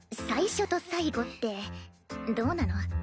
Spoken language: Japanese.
最初と最後ってどうなの？